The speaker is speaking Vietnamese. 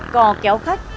cò kéo khách